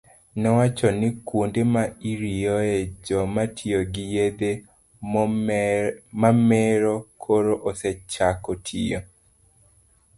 nowacho ni kuonde ma irieyoe joma tiyo gi yedhe mamero koro osechako tiyo.